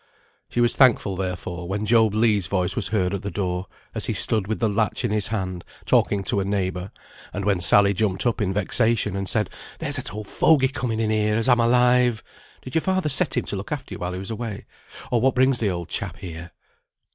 She was thankful, therefore, when Job Legh's voice was heard at the door, as he stood with the latch in his hand, talking to a neighbour, and when Sally jumped up in vexation and said, "There's that old fogey coming in here, as I'm alive! Did your father set him to look after you while he was away? or what brings the old chap here?